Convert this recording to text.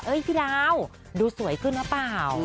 เฮ้ยพี่ดาวน์ดูสวยขึ้นน่ะเปล่า